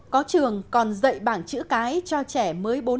có trường còn dạy bảng chữ cái cho trẻ mới bốn tuổi để giữ học sinh